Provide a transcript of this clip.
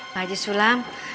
pak haji sulam